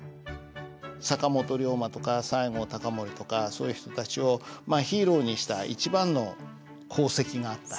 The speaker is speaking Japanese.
坂本龍馬とか西郷隆盛とかそういう人たちをヒーローにした一番の功績があった人ですね。